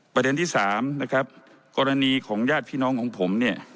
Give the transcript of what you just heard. ประเด็นที่๓กรณีของญาติพี่น้องของผม